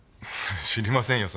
知りませんよ